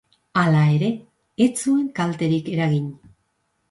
Hala ere, ez zuen kalterik eragin.